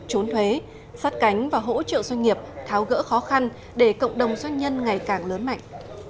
trốn thuế sát cánh và hỗ trợ doanh nghiệp tháo gỡ khó khăn để cộng đồng doanh nhân ngày càng lớn mạnh